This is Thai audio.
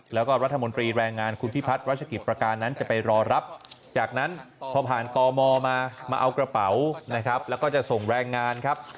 แล้วก็รัฐมนตรีแรงงานคุณพิพัฒน์รัชกิจประการนั้นจะไปรอรับจากนั้นพอผ่านตมมามาเอากระเป๋านะครับแล้วก็จะส่งแรงงานครับ